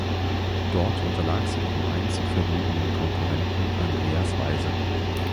Dort unterlag sie ihrem einzig verbliebenen Konkurrenten Andreas Weise.